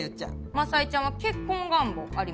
雅江ちゃんは結婚願望ありますか？